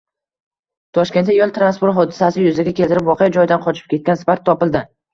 Toshkentda yo´l transport hodisasi yuzaga keltirib, voqea joyidan qochib ketgan Spark topildi